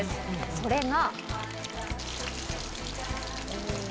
それが。